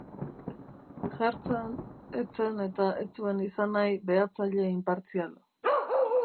Herzen ez zen eta ez zuen izan nahi behatzaile inpartzial.